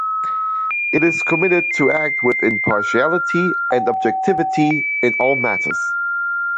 It is committed to act with impartiality and objectivity in all matters.